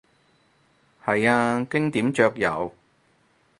係啊，經典桌遊